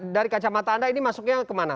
dari kacamata anda ini masuknya kemana